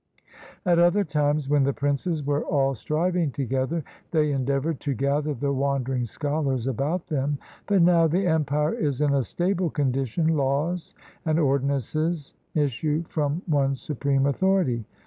At other times, when the princes were all striving together, they endeavored to gather the wandering scholars about them ; but now the empire is in a stable condition, laws and ordinances issue from one supreme authority.